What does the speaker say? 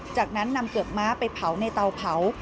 จากนั้นนำเกือกม้าไปเผาในเตาเผา